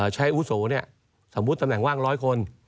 ใช้อุศโฮสมมุติตำแหน่งว่าง๑๐๐คน